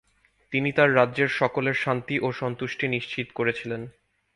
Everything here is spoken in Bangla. তিনি তার রাজ্যের সকলের শান্তি ও সন্তুষ্টি নিশ্চিত করেছিলেন।